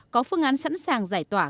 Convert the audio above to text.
có phương án sẵn sàng giải tỏa